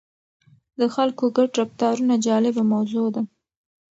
د خلکو ګډ رفتارونه جالبه موضوع ده.